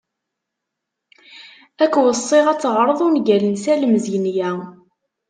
Ad k-weṣṣiɣ ad teɣreḍ ungal n Salem Zenya.